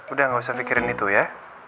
udah gak usah pikirin itu ya